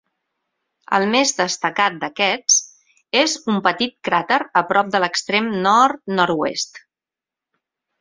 El més destacat d'aquests és un petit cràter a prop de l'extrem nord nord-oest.